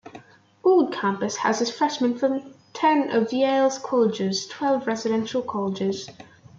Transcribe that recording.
Old Campus houses freshmen from ten of Yale College's twelve residential colleges.